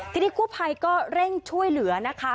ทีนี้กู้ภัยก็เร่งช่วยเหลือนะคะ